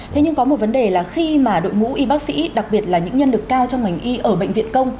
thế nhưng có một vấn đề là khi mà đội ngũ y bác sĩ đặc biệt là những nhân lực cao trong ngành y ở bệnh viện công